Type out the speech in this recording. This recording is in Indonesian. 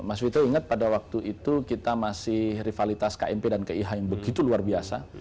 mas wito ingat pada waktu itu kita masih rivalitas kmp dan kih yang begitu luar biasa